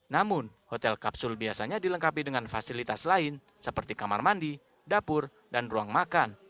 namun hotel kapsul biasanya dilengkapi dengan fasilitas lain seperti kamar mandi dapur dan ruang makan